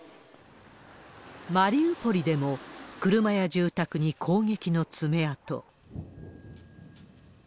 マリウポリでも、車や住宅に攻撃の爪痕。